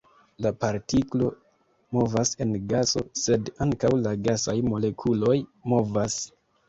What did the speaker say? La partiklo movas en gaso, sed ankaŭ la gasaj molekuloj movas.